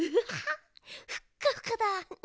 ふっかふかだ！